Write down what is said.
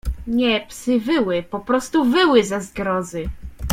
"Nie, psy wyły, poprostu wyły ze zgrozy."